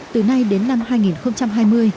từ nay đến năm hai nghìn hai mươi